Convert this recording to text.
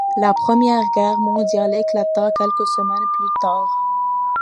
La Première Guerre mondiale éclata quelques semaines plus tard.